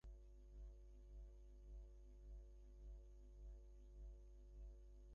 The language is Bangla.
কৃষ্ণনন্দ, স্বামী পূর্বনাম কৃষ্ণপ্রসন্ন সেন, বিখ্যাত বক্তা ও হিন্দুধর্ম-প্রচারক।